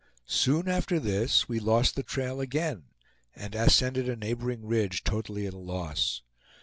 Soon after this we lost the trail again, and ascended a neighboring ridge, totally at a loss.